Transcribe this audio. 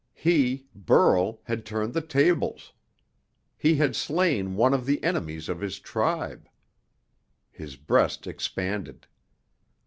He, Burl, had turned the tables. He had slain one of the enemies of his tribe. His breast expanded.